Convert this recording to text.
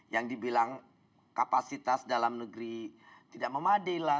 yang dibilang kapasitas dalam negeri tidak memadai lah